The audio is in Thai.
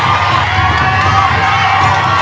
สวัสดีครับ